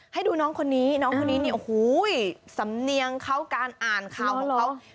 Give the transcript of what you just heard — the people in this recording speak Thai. ให้ดูน้องคนนี้น้องคนนี้เนี่ยโอ้โหสำเนียงเขาการอ่านข่าวของเขา